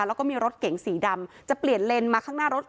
แล้วก็มีรถเก๋งสีดำจะเปลี่ยนเลนมาข้างหน้ารถ